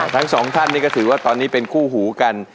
ทั้งสองท่านนี่ก็ถือว่าตอนนี้เป็นคู่หูกัน